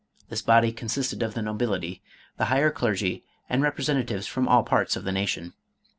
This body consisted of the nobility, the higher clergy and represen tatives from all parts of the nation.